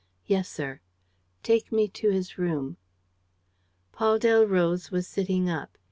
"Yes, sir." "Take me to his room." Paul Delroze was sitting up.